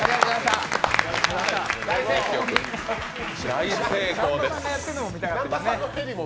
大成功です。